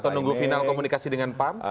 atau menunggu final komunikasi dengan pam